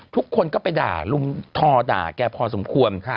ทุกคนก็ไปด่าลุมทอด่าแกพอสมควร